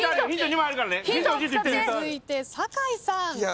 続いて酒井さん。